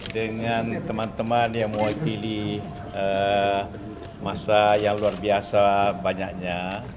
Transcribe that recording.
dengan teman teman yang mewakili masa yang luar biasa banyaknya